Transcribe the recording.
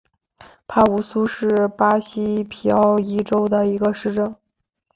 帕武苏是巴西皮奥伊州的一个市镇。